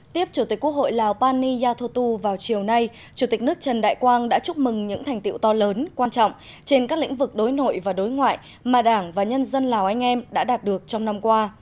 tiếp chủ tịch quốc hội lào pani yathotu vào chiều nay chủ tịch nước trần đại quang đã chúc mừng những thành tiệu to lớn quan trọng trên các lĩnh vực đối nội và đối ngoại mà đảng và nhân dân lào anh em đã đạt được trong năm qua